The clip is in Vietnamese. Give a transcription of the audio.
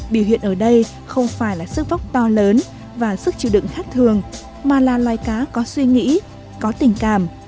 biểu hiện ở đây không phải là sức vóc to lớn và sức chịu đựng khác thường mà là loài cá có suy nghĩ có tình cảm